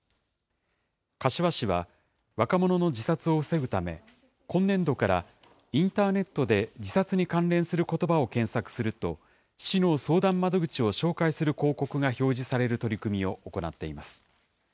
柏市は若者の自殺を防ぐため、今年度から、インターネットで自殺に関連することばを検索すると、市の相談窓口を紹介する広告が表示される取り組みを行っています。